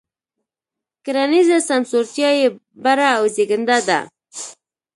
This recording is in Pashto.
کرنیزه سمسورتیا یې بره او زېږنده ده.